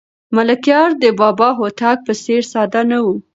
ملکیار د بابا هوتک په څېر ساده نه و.